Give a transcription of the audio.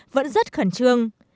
vẫn rất khẩn trương